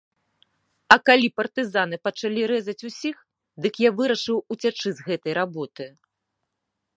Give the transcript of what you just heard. А калі партызаны пачалі рэзаць усіх, дык я вырашыў уцячы з гэтай работы.